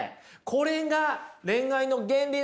これが恋愛の原理？